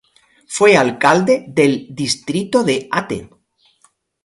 Fue Alcalde del Distrito de Ate.